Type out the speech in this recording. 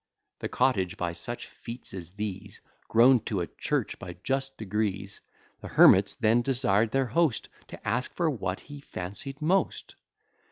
The cottage, by such feats as these, Grown to a church by just degrees, The hermits then desired their host To ask for what he fancy'd most.